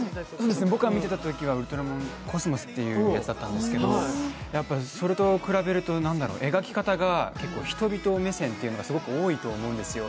僕が見てたときは「ウルトラマンコスモス」ってやつだったんですけどそれと比べると描き方が、結構、人々目線というのがすごく多いと思うんですよ。